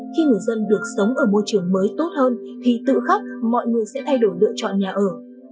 khi người dân được sống ở môi trường mới tốt hơn thì tự khắc mọi người sẽ thay đổi lựa chọn nhà ở